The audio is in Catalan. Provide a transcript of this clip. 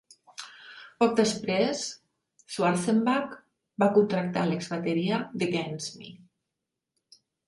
Poc després, Schwarzenbach va contractar l'exbateria d'Against Me!